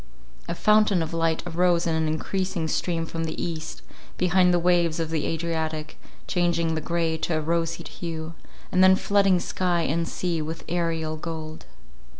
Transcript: A fountain of light arose in an encreasing stream from the east, behind the waves of the Adriatic, changing the grey to a roseate hue, and then flooding sky and sea with aerial gold.